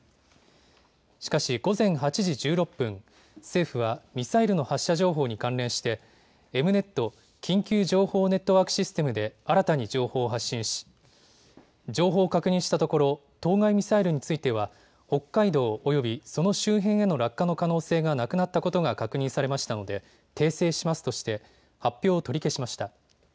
しかし午前８時１６分、政府はミサイルの発射情報に関連してエムネット・緊急情報ネットワークシステムで新たに情報を発信し、情報を確認したところ当該ミサイルについては北海道およびその周辺への落下の可能性がなくなったことが確認されましたので訂正しますとして発表を取り消しました。